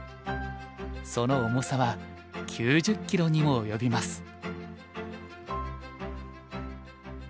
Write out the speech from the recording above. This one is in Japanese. その重さは９０キロにも及びます。